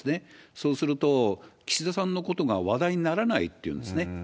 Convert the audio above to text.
そうすると、岸田さんのことが話題にならないっていうんですね。